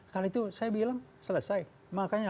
karena itu saya bilang selesai makanya